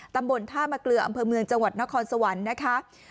ตำบลท่ามะเกลืออำเภอเมืองจังหวัดนครสวรรค์นะคะ